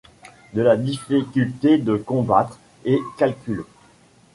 De la difficulté de combattre, et calcule